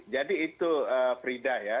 jadi itu peridah ya